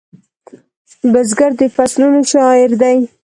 بزګر د فصلونو شاعر دی